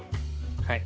はい。